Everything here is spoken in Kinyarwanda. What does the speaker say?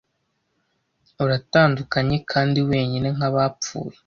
uratandukanye kandi wenyine nkabapfuye